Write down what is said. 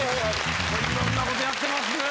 いろんなことやってますね。